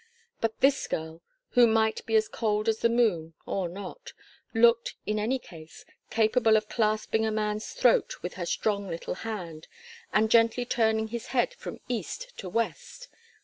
But this girl, who might be as cold as the moon, or not, looked, in any case, capable of clasping a man's throat with her strong little hand, and gently turning his head from east to west.